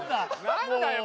何だよ